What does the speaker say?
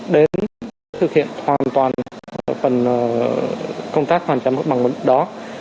đến thực hiện hoàn toàn phần công tác hoàn trả mất bằng đó